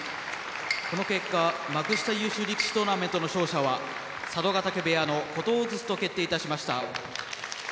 この結果幕下優秀力士トーナメントの勝者は佐渡ヶ嶽部屋の琴砲と決定いたしました。